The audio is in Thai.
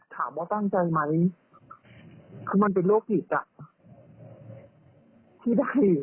ถามว่าตั้งใจไหมคือมันเป็นโรคผิดอ่ะ